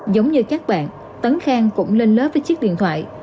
giống như các bạn tấn khang cũng lên lớp với chiếc điện thoại